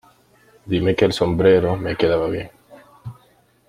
Dime que el sombrero me quedaba bien.